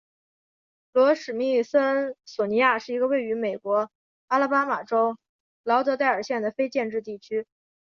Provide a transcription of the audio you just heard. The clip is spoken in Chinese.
罗史密森索尼亚是一个位于美国阿拉巴马州劳德代尔县的非建制地区。